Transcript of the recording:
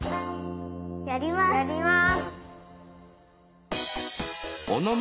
やります！